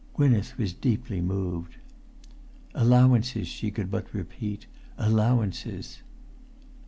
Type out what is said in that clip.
Gwynneth was deeply moved. "Allowances," she could but repeat; "allowances!"